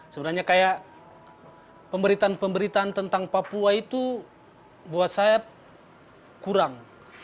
sebenarnya kayak pemberitaan pemberitaan tentang papua itu buat saya kurang